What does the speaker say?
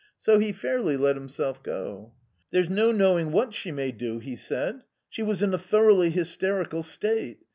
So he fairly let himself go. "There's no knowing what she may do," he said. "She was in a thoroughly hysterical state.